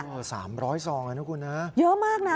อะสามร้อยซองน่ะนะคุณฮะเยอะมากนะ